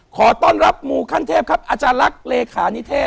ขอต้อนรับมูขั้นเทพครับอาจารย์ลักษณ์เลขานิเทศ